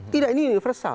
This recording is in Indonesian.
tidak ini universal